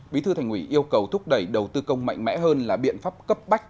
bí thư thành ủy yêu cầu thúc đẩy đầu tư công mạnh mẽ hơn là biện pháp cấp bách